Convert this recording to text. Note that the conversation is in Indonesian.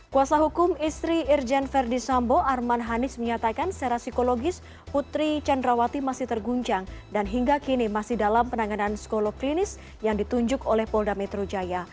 kuasa hukum istri irjen verdi sambo arman hanis menyatakan secara psikologis putri candrawati masih terguncang dan hingga kini masih dalam penanganan psikolog klinis yang ditunjuk oleh polda metro jaya